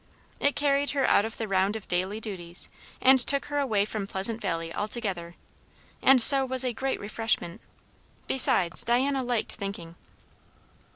It carried her out of the round of daily duties and took her away from Pleasant Valley altogether, and so was a great refreshment. Besides, Diana liked thinking.